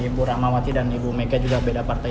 ibu rahmawati dan ibu mega juga beda partai